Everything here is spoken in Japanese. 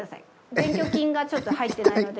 前鋸筋がちょっと入ってないので。